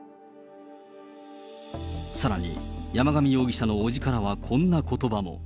さらに、山上容疑者の伯父からはこんなことばも。